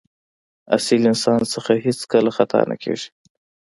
اصیل انسان څخه هېڅکله خطا نه کېږي.